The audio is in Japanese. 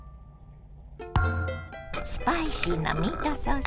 スパイシーなミートソース。